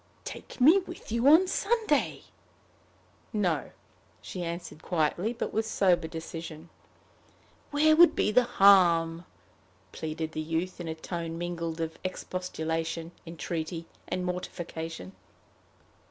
"Take me with you on Sunday?" "No," she answered quietly, but with sober decision. "Where would be the harm?" pleaded the youth, in a tone mingled of expostulation, entreaty, and mortification.